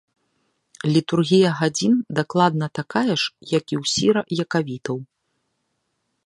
Літургія гадзін дакладна такая ж, як і ў сіра-якавітаў.